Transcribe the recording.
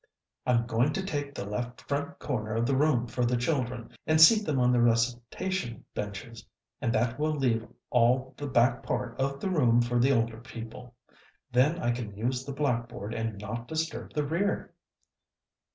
"I'm going to take the left front corner of the room for the children, and seat them on the recitation benches, and that will leave all the back part of the room for the older people. Then I can use the blackboard and not disturb the rest."